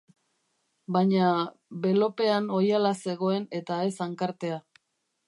Baina belopean oihala zegoen eta ez hankartea.